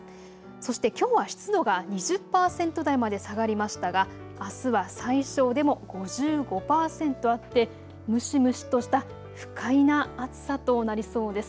そしてきょうは湿度が２０％台まで下がりましたがあすは最小でも５５％あって蒸し蒸しとした不快な暑さとなりそうです。